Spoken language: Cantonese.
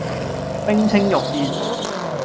冰清玉潔